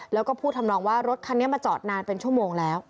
แล้วก็พูดทำนองว่ารถคันนี้มาจอดนานเป็นชั่วโมงแล้ว